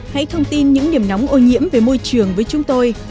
hãy thông tin những điểm nóng ô nhiễm về môi trường với chúng tôi